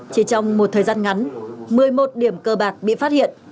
chỉ trong một thời gian ngắn một mươi một điểm cơ bạc bị phát hiện